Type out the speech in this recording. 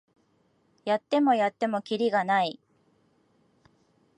やってもやってもキリがない